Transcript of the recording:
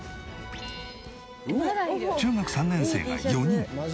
中学３年生が４人。